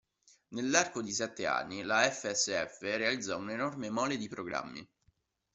Nell'arco di sette anni la FSF realizzò un'enorme mole di programmi.